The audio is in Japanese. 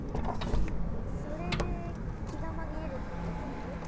それできがまぎれるってこと？